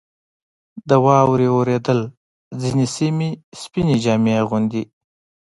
• د واورې اورېدل ځینې سیمې سپینې جامې اغوندي.